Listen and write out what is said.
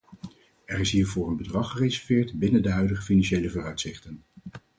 Er is hiervoor een bedrag gereserveerd binnen de huidige financiële vooruitzichten.